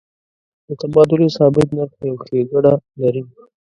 د تبادلې ثابت نرخ یو ښیګڼه لري.